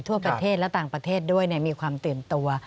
ทั่วประเทศและต่างประเทศด้วยมีความตื่นตัว